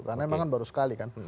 karena memang kan baru sekali kan